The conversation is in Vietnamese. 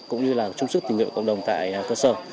cũng như là chung sức tình nguyện cộng đồng tại cơ sở